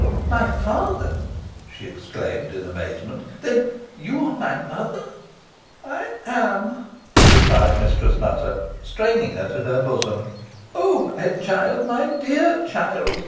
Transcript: "My father!" she exclaimed, in amazement. "Then you are my mother?" "I am I am," replied Mistress Nutter, straining her to her bosom. "Oh, my child! my dear child!"